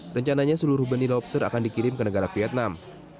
rencananya seluruh benih lobster akan dikirim ke negara vietnam